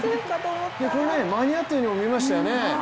これ間に合ったようにも見えましたよね。